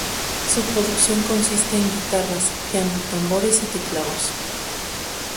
Su producción consiste en guitarras, piano, tambores y teclados.